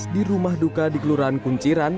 di rumah duka di kelurahan kunciran